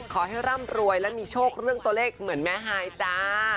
ร่ำรวยและมีโชคเรื่องตัวเลขเหมือนแม่ฮายจ้า